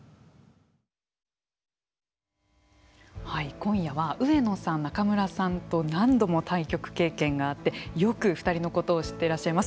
今夜は上野さん仲邑さんと何度も対局経験があってよく２人のことを知っていらっしゃいます